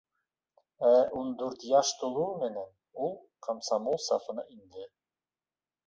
Ә ун дүрт йәш тулыу менән, ул комсомол сафына инде.